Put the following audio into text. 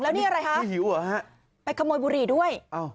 แล้วนี่อะไรคะหิวเหรอฮะไปขโมยบุหรี่ด้วย